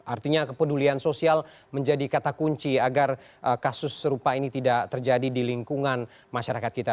artinya kepedulian sosial menjadi kata kunci agar kasus serupa ini tidak terjadi di lingkungan masyarakat kita